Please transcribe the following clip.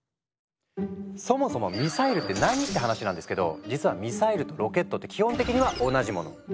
そもそもミサイルって何って話なんですけど実はミサイルとロケットって基本的には同じもの。